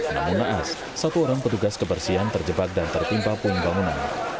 namun naas satu orang petugas kebersihan terjebak dan tertimpa puing bangunan